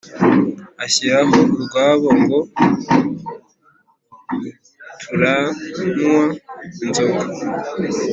ashyiraho urwabo ngo turanywa inzoga